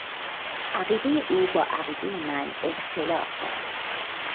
عقیدهٔ او با عقیدهٔ من اختلاف دارد.